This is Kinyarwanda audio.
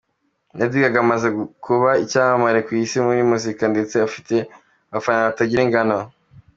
Lady Gaga amaze kuba icyamamare ku isi muri muzika ndetse afite abafana batagira ingano.